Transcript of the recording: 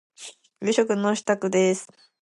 夕食の支度です。